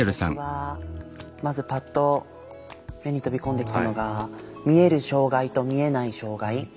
僕はまずパッと目に飛び込んできたのが「見える障害と見えない障害」。